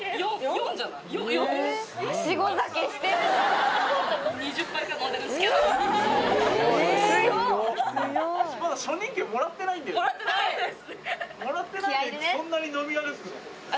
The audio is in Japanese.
ハハハ！もらってないです。